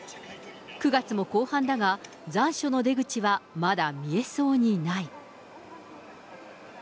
９月も後半だが、残暑の出口はまだ見えそうにない。